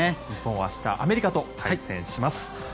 日本は明日アメリカと対戦です。